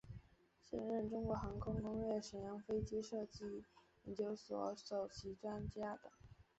现任中国航空工业沈阳飞机设计研究所首席专家等。